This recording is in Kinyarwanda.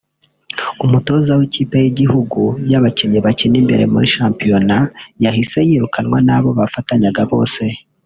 umutoza w’ikipe y’igihugu y’abakinnyi bakina imbere muri shampiyona yahise yirukanwa n’abo bafatanyaga bose